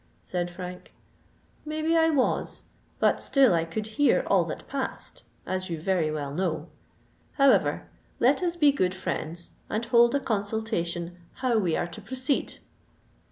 said Frank. "Maybe I was—but still I could hear all that passed, as you very well know. However, let us be good friends, and hold a consultation how we are to proceed."